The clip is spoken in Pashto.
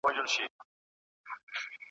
تر منګول یې څاڅکی څاڅکی تویېدلې ,